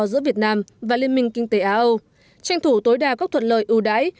giữa việt nam và liên minh kinh tế á âu tranh thủ tối đa các thuật lời ưu đáy